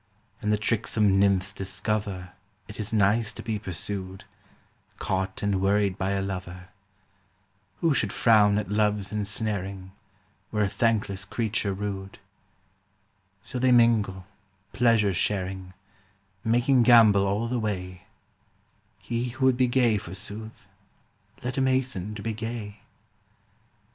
72 And the tricksome nymphs discover It is nice to be pursued, Caught and worried by a lover ; Who should frown at Love's ensnaring Were a thankless creature rude ; So they mingle, pleasure sharing, Making gambol all the way : He who would be gay, forsooth. Let him hasten to be gay.